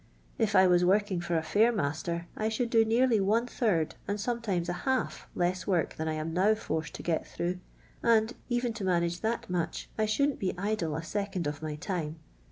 If I was working for a fair master, I should do nearly one third, and sometimes a half, less wt)rk than I am now forced to get through, and. even to manage that much, I shouldn't be idle a second of my time.